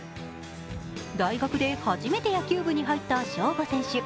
大学で初めて野球部に入った正吾選手。